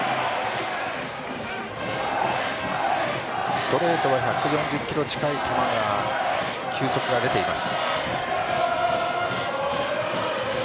ストレートは１４０キロ近い球速が出ています。